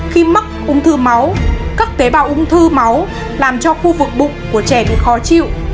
khi mắc ung thư máu các tế bào ung thư máu làm cho khu vực bụng của trẻ bị khó chịu